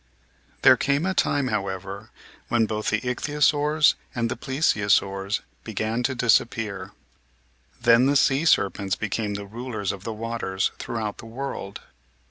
There came a time, however, when both the Ichthyosaurs and the Plesiosaurs began to dis appear. Then the sea serpents became the rulers of the waters throughout the world.